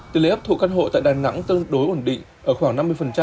tư lý ấp thu các hộ tại đà nẵng tương đối ổn định ở khoảng năm mươi